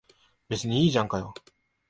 別にいいじゃんかよ。